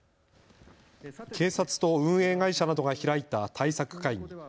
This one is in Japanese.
警察と運営会社などが開いた対策会議。